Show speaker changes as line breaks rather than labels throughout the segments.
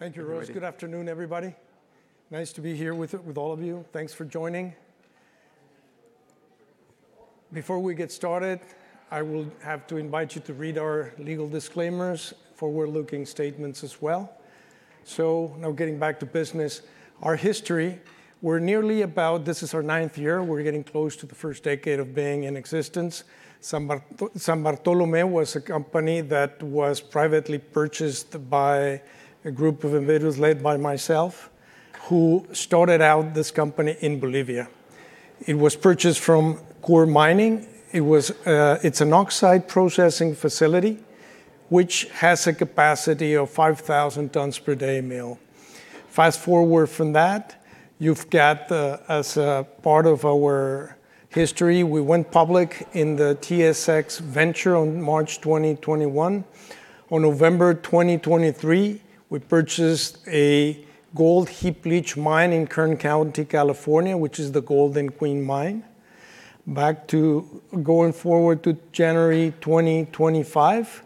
Thank you, Russell. Good afternoon, everybody. Nice to be here with all of you. Thanks for joining. Before we get started, I will have to invite you to read our legal disclaimers, forward-looking statements as well. Now getting back to business, our history, this is our ninth year. We're getting close to the first decade of being in existence. San Bartolomé was a company that was privately purchased by a group of individuals led by myself, who started out this company in Bolivia. It was purchased from Coeur Mining. It's an oxide processing facility, which has a capacity of 5,000 tons per day mill. Fast-forward from that, you've got as a part of our history, we went public in the TSX Venture on March 2021. On November 2023, we purchased a gold heap leach mine in Kern County, California, which is the Golden Queen Mine. Back to going forward to January 2025,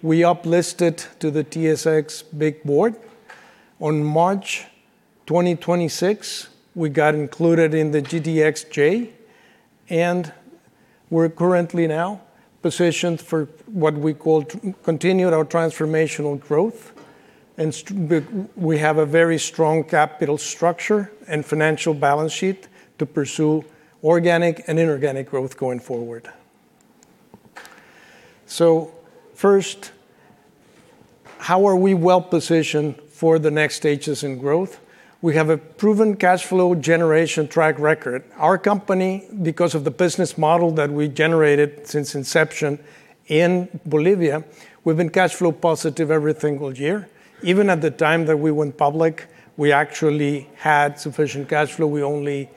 we uplisted to the TSX Big Board. On March 2026, we got included in the GDXJ, and we're currently now positioned for what we call continued our transformational growth. We have a very strong capital structure and financial balance sheet to pursue organic and inorganic growth going forward. First, how are we well positioned for the next stages in growth? We have a proven cash flow generation track record. Our company, because of the business model that we generated since inception in Bolivia, we've been cash flow positive every single year. Even at the time that we went public, we actually had sufficient cash flow. We only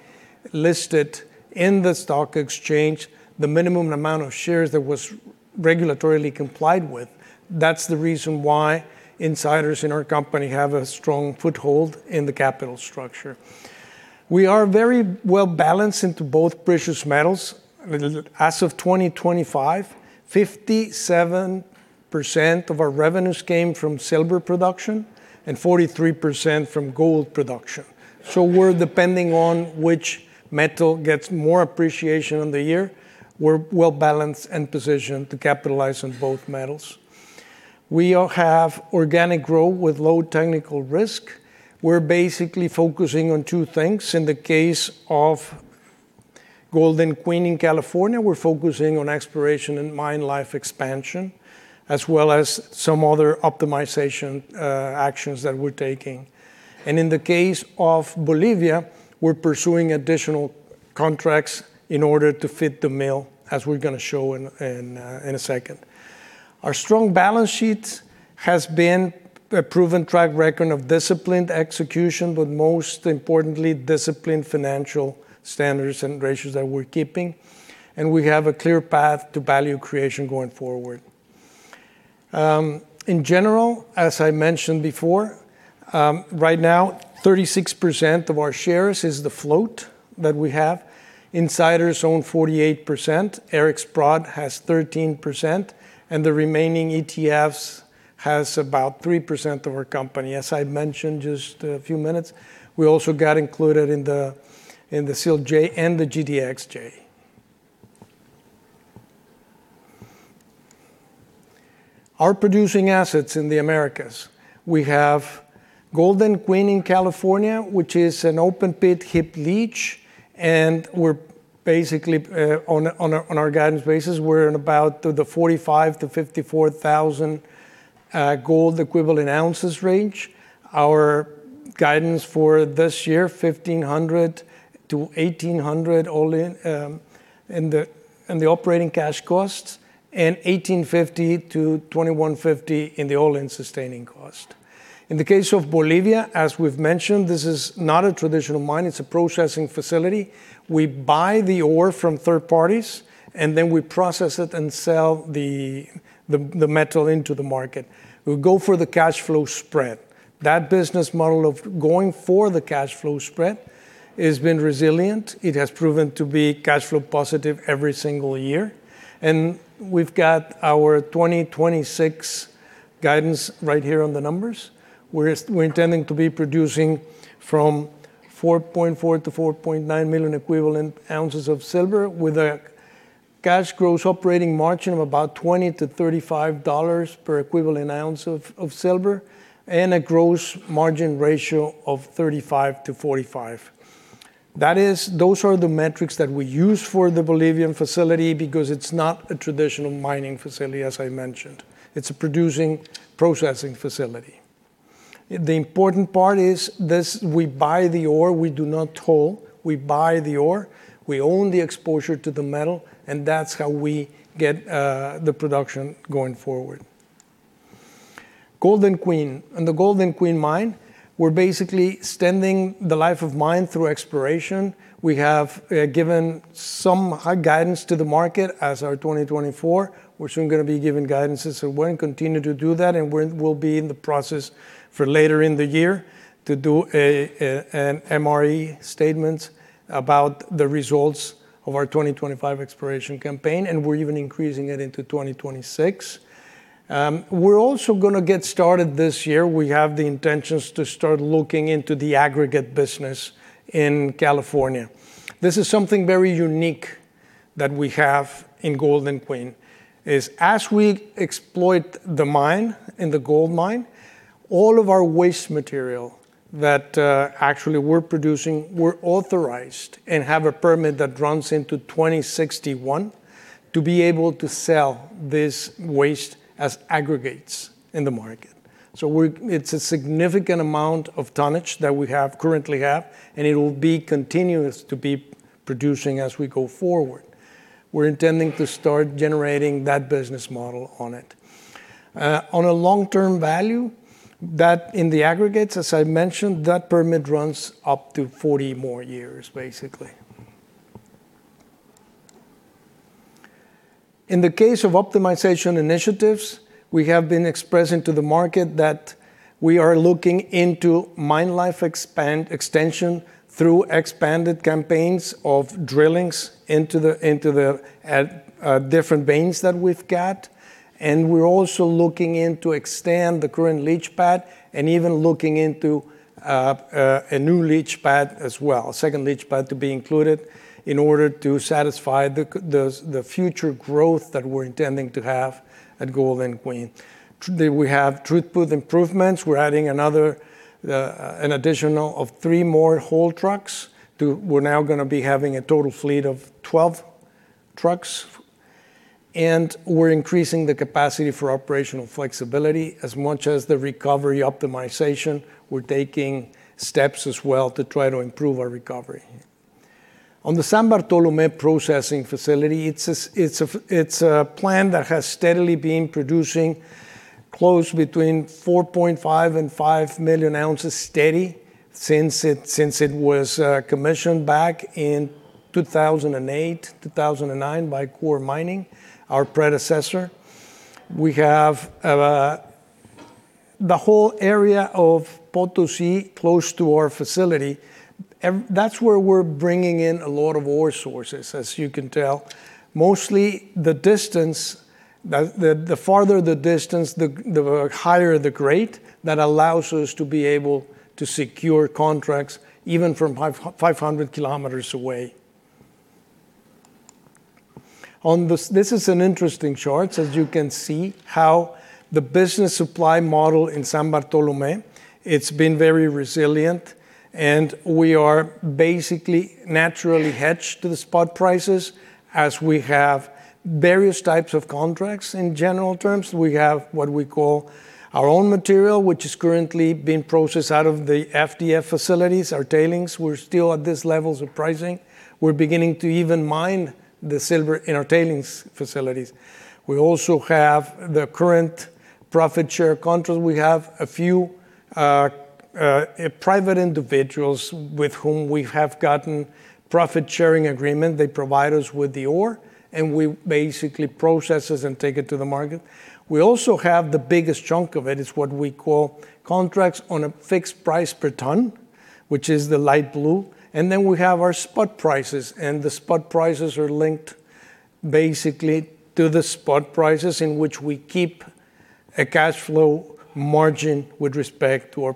listed in the stock exchange the minimum amount of shares that was regulatorily complied with. That's the reason why insiders in our company have a strong foothold in the capital structure. We are very well-balanced into both precious metals. As of 2025, 57% of our revenues came from silver production and 43% from gold production. We're depending on which metal gets more appreciation in the year. We're well-balanced and positioned to capitalize on both metals. We also have organic growth with low technical risk. We're basically focusing on two things. In the case of Golden Queen in California, we're focusing on exploration and mine life expansion, as well as some other optimization actions that we're taking. In the case of Bolivia, we're pursuing additional contracts in order to feed the mill, as we're going to show in a second. Our strong balance sheet has been a proven track record of disciplined execution, but most importantly, disciplined financial standards and ratios that we're keeping, and we have a clear path to value creation going forward. In general, as I mentioned before, right now 36% of our shares is the float that we have. Insiders own 48%, Eric Sprott has 13%, and the remaining ETFs has about 3% of our company. As I mentioned just a few minutes ago, we also got included in the SILJ and the GDXJ. Our producing assets in the Americas, we have Golden Queen in California, which is an open-pit heap leach, and we're basically on a guidance basis, we're in about the 45,000-54,000 gold equivalent ounces range. Our guidance for this year is $1,500-$1,800 all-in and the operating cash costs, and $1,850-$2,150 in the all-in sustaining cost. In the case of Bolivia, as we've mentioned, this is not a traditional mine, it's a processing facility. We buy the ore from third parties, and then we process it and sell the metal into the market. We go for the cash flow spread. That business model of going for the cash flow spread has been resilient. It has proven to be cash flow positive every single year. We've got our 2026 guidance right here on the numbers. We're intending to be producing from 4.4 million-4.9 million equivalent ounces of silver, with a cash gross operating margin of about $20-$35 per equivalent ounce of silver and a gross margin ratio of 35%-45%. Those are the metrics that we use for the Bolivian facility because it's not a traditional mining facility, as I mentioned. It's a producing, processing facility. The important part is this, we buy the ore, we do not toll. We buy the ore. We own the exposure to the metal, and that's how we get the production going forward. Golden Queen. In the Golden Queen Mine, we're basically extending the life of mine through exploration. We have given some high guidance to the market as our 2024, which I'm going to be giving guidance. We're going to continue to do that, and we'll be in the process for later in the year to do an MRE statement about the results of our 2025 exploration campaign, and we're even increasing it into 2026. We're also going to get started this year. We have the intentions to start looking into the aggregate business in California. This is something very unique that we have in Golden Queen, is as we exploit the mine and the gold mine, all of our waste material that actually we're producing, we're authorized and have a permit that runs into 2061 to be able to sell this waste as aggregates in the market. It's a significant amount of tonnage that we currently have, and it'll be continuous to be producing as we go forward. We're intending to start generating that business model on it. On a long-term value, that in the aggregates, as I mentioned, that permit runs up to 40 more years, basically. In the case of optimization initiatives, we have been expressing to the market that we are looking into mine life extension through expanded campaigns of drillings into the different veins that we've got. We're also looking in to extend the current leach pad and even looking into a new leach pad as well, a second leach pad to be included in order to satisfy the future growth that we're intending to have at Golden Queen. Today we have throughput improvements. We're adding an additional of three more haul trucks. We're now going to be having a total fleet of 12 trucks, and we're increasing the capacity for operational flexibility as much as the recovery optimization. We're taking steps as well to try to improve our recovery. On the San Bartolomé processing facility, it's a plant that has steadily been producing close between 4.5 million and 5 million ounces steady since it was commissioned back in 2008-2009 by Coeur Mining, our predecessor. We have the whole area of Potosí close to our facility. That's where we're bringing in a lot of ore sources, as you can tell. Mostly the distance, the farther the distance, the higher the grade. That allows us to be able to secure contracts even from 500 km away. This is an interesting chart, as you can see how the business supply model in San Bartolomé, it's been very resilient, and we are basically naturally hedged to the spot prices as we have various types of contracts in general terms. We have what we call our own material, which is currently being processed out of the FDF facilities, our tailings. We're still at these levels of pricing. We're beginning to even mine the silver in our tailings facilities. We also have the current profit share contracts. We have a few private individuals with whom we have gotten profit-sharing agreement. They provide us with the ore, and we basically process it and take it to the market. We also have the biggest chunk of it. It's what we call contracts on a fixed price per ton, which is the light blue. We have our spot prices. The spot prices are linked basically to the spot prices in which we keep a cash flow margin with respect to our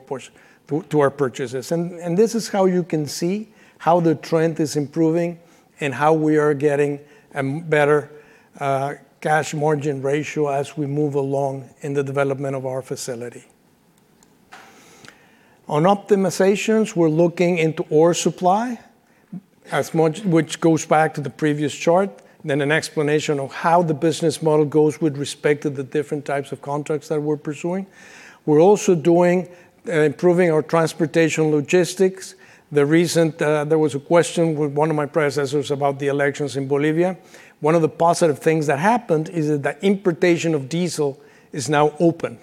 purchases. This is how you can see how the trend is improving and how we are getting a better cash margin ratio as we move along in the development of our facility. On optimizations, we're looking into ore supply, which goes back to the previous chart, then an explanation of how the business model goes with respect to the different types of contracts that we're pursuing. We're also improving our transportation logistics. The reason there was a question with one of my predecessors about the elections in Bolivia, one of the positive things that happened is that the importation of diesel is now open.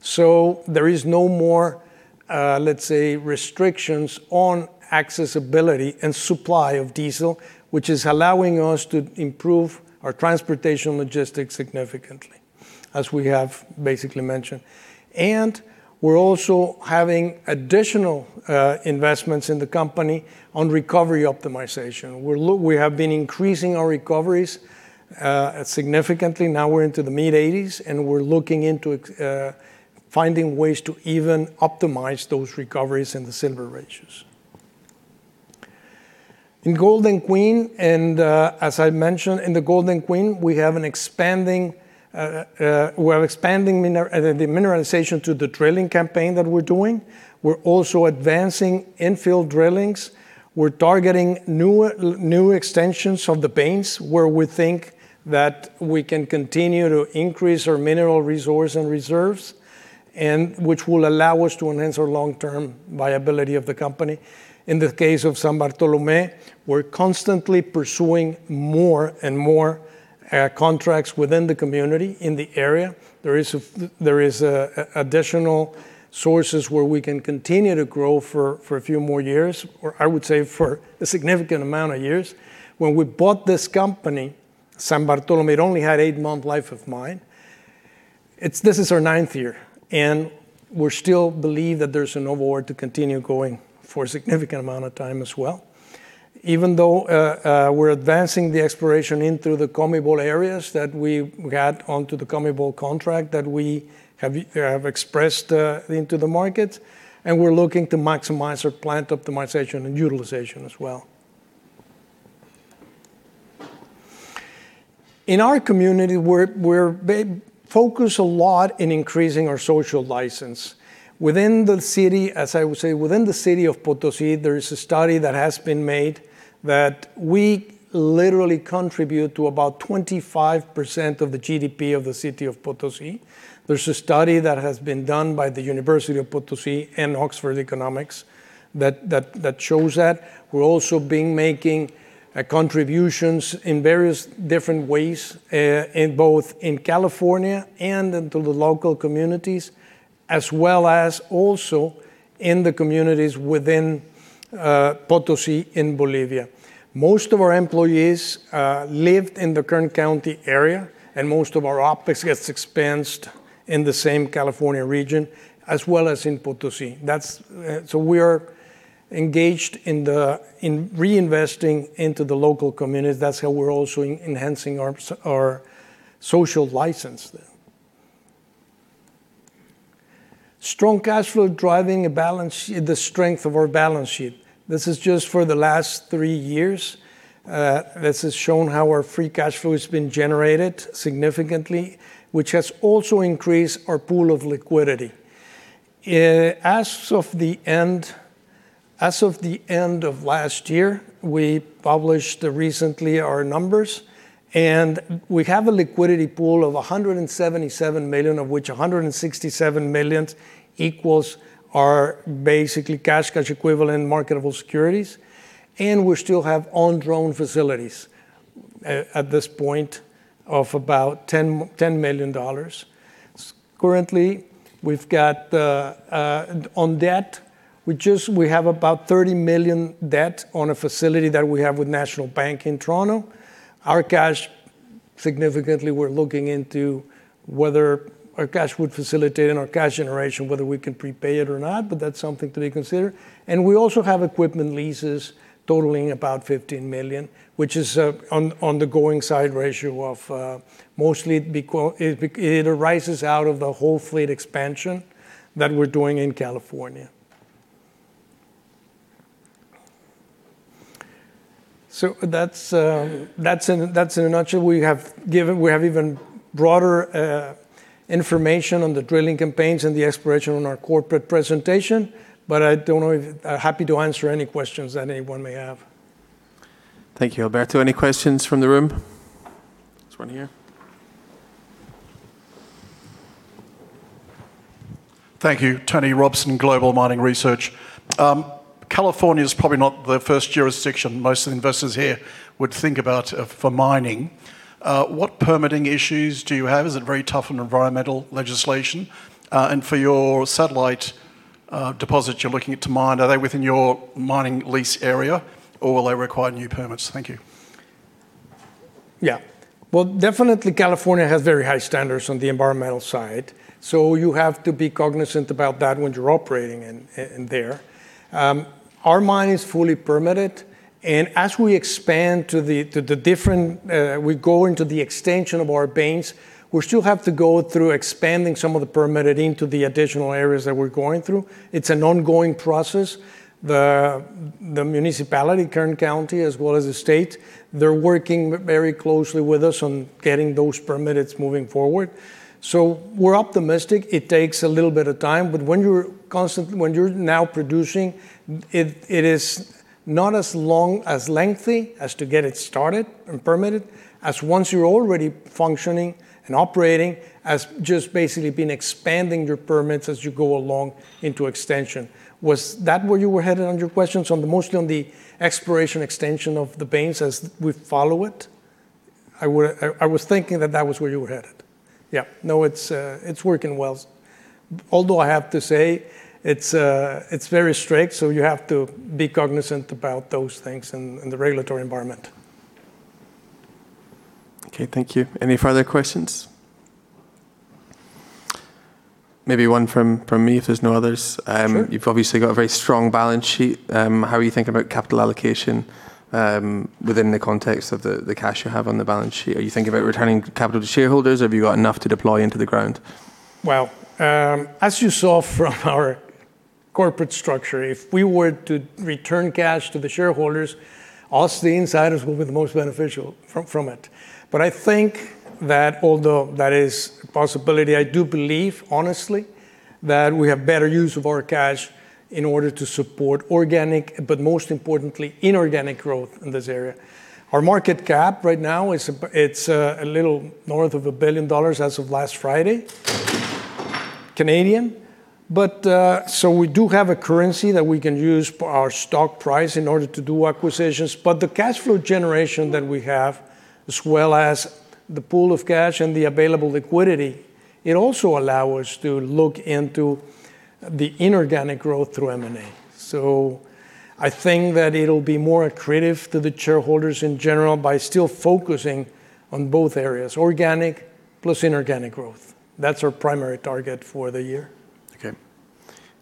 So there is no more, let's say, restrictions on accessibility and supply of diesel, which is allowing us to improve our transportation logistics significantly, as we have basically mentioned. And we're also having additional investments in the company on recovery optimization. We have been increasing our recoveries significantly. Now we're into the mid-80s, and we're looking into finding ways to even optimize those recoveries in the silver ratios. In Golden Queen, and as I mentioned, in the Golden Queen, we're expanding the mineralization to the drilling campaign that we're doing. We're also advancing infill drillings. We're targeting new extensions of the veins where we think that we can continue to increase our mineral resource and reserves, and which will allow us to enhance our long-term viability of the company. In the case of San Bartolomé, we're constantly pursuing more and more contracts within the community in the area. There is additional sources where we can continue to grow for a few more years, or I would say for a significant amount of years. When we bought this company, San Bartolomé, it only had eight-month life of mine. This is our ninth year, and we still believe that there's enough ore to continue going for a significant amount of time as well, even though we're advancing the exploration into the COMIBOL areas that we got onto the COMIBOL contract that we have expressed into the market, and we're looking to maximize our plant optimization and utilization as well. In our community, we're focused a lot in increasing our social license. Within the city, as I would say, within the city of Potosí, there is a study that has been made that we literally contribute to about 25% of the GDP of the city of Potosí. There's a study that has been done by the University of Potosí and Oxford Economics that shows that. We're also been making contributions in various different ways, in both in California and into the local communities, as well as also in the communities within Potosí, in Bolivia. Most of our employees live in the Kern County area, and most of our office gets expensed in the same California region, as well as in Potosí. So we are engaged in reinvesting into the local community. That's how we're also enhancing our social license there. Strong cash flow driving the strength of our balance sheet. This is just for the last three years. This has shown how our free cash flow has been generated significantly, which has also increased our pool of liquidity. As of the end of last year, we published recently our numbers, and we have a liquidity pool of $177 million, of which $167 million equals our basically cash equivalent marketable securities. And we still have undrawn facilities at this point of about $10 million. Currently, we've got on debt, we have about $30 million debt on a facility that we have with National Bank in Toronto. Our cash, significantly, we're looking into whether our cash would facilitate and our cash generation, whether we can prepay it or not, but that's something to be considered. And we also have equipment leases totaling about $15 million, which is on the going side ratio of mostly it arises out of the whole fleet expansion that we're doing in California. So that's in a nutshell. We have even broader information on the drilling campaigns and the exploration on our corporate presentation, but I'm happy to answer any questions that anyone may have.
Thank you, Alberto. Any questions from the room? There's one here.
Thank you. Tony Robson, Global Mining Research. California's probably not the first jurisdiction most of the investors here would think about for mining. What permitting issues do you have? Is it very tough on environmental legislation? For your satellite deposit you're looking to mine, are they within your mining lease area, or will they require new permits? Thank you.
Yeah. Well, definitely California has very high standards on the environmental side, so you have to be cognizant about that when you're operating in there. Our mine is fully permitted, and as we expand to the extension of our veins, we still have to go through expanding some of the permitted into the additional areas that we're going through. It's an ongoing process. The municipality, Kern County, as well as the state, they're working very closely with us on getting those permits moving forward. We're optimistic. It takes a little bit of time, but when you're now producing, it is not as lengthy as to get it started and permitted, as once you're already functioning and operating, it's just basically been expanding your permits as you go along into extension. Was that where you were headed on your questions, mostly on the exploration extension of the veins as we follow it? I was thinking that that was where you were headed. Yeah. No, it's working well. Although I have to say it's very strict, so you have to be cognizant about those things and the regulatory environment.
Okay. Thank you. Any further questions? Maybe one from me if there's no others.
Sure.
You've obviously got a very strong balance sheet. How are you thinking about capital allocation within the context of the cash you have on the balance sheet? Are you thinking about returning capital to shareholders? Have you got enough to deploy into the ground?
Well, as you saw from our corporate structure, if we were to return cash to the shareholders, us, the insiders, would be the most beneficial from it. I think that although that is a possibility, I do believe, honestly, that we have better use of our cash in order to support organic, but most importantly, inorganic growth in this area. Our market cap right now, it's a little north of 1 billion dollars as of last Friday Canadian. We do have a currency that we can use for our stock price in order to do acquisitions. The cash flow generation that we have, as well as the pool of cash and the available liquidity, it also allow us to look into the inorganic growth through M&A. I think that it'll be more accretive to the shareholders in general by still focusing on both areas, organic plus inorganic growth. That's our primary target for the year.
Okay.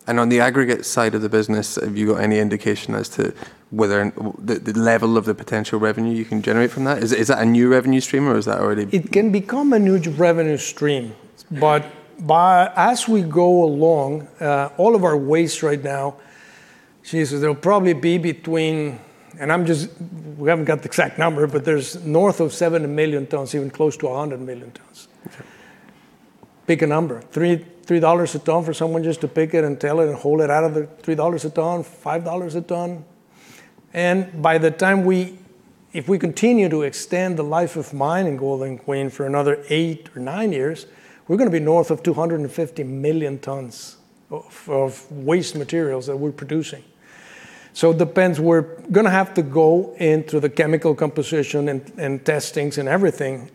On the aggregate side of the business, have you got any indication as to the level of the potential revenue you can generate from that? Is that a new revenue stream?
It can become a new revenue stream. As we go along, all of our waste right now, Jesus, there'll probably be between, we haven't got the exact number, but there's north of 7 million tons, even close to 100 million tons.
Sure.
Pick a number. $3 a ton for someone just to pick it and tail it and haul it out of there, $3 a ton, $5 a ton. If we continue to extend the life of mine in Golden Queen for another eight or nine years, we're going to be north of 250 million tons of waste materials that we're producing. It depends. We're going to have to go into the chemical composition and testings and everything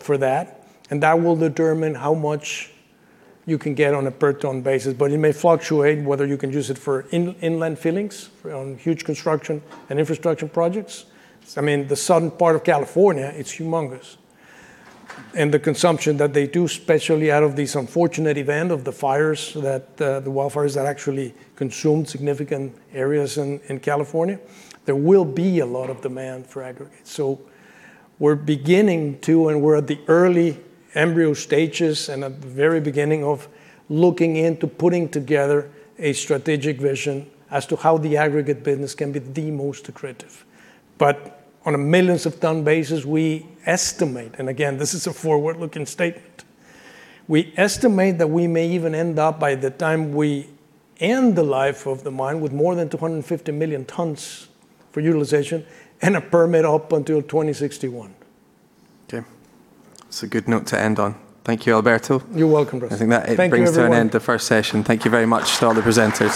for that, and that will determine how much you can get on a per ton basis. It may fluctuate whether you can use it for inland fillings on huge construction and infrastructure projects. The southern part of California, it's humongous. The consumption that they do, especially out of this unfortunate event of the wildfires that actually consumed significant areas in California, there will be a lot of demand for aggregate. We're beginning to, and we're at the early embryo stages and at the very beginning of looking into putting together a strategic vision as to how the aggregate business can be the most accretive. On a millions of ton basis, we estimate, and again, this is a forward-looking statement, we estimate that we may even end up, by the time we end the life of the mine, with more than 250 million tons for utilization and a permit up until 2061.
Okay. That's a good note to end on. Thank you, Alberto.
You're welcome, Russell.
I think that it brings.
Thank you, everyone.
To an end the first session. Thank you very much to all the presenters.